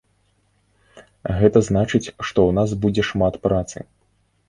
Гэта значыць, што ў нас будзе шмат працы.